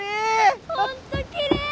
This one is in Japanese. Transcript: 本当きれい！